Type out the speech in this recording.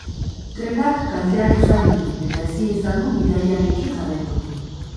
Trenak kalteak izan ditu eta ezin izan du bidaiarekin jarraitu.